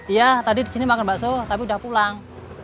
iya tadi di sini makan bakso tapi udah pulang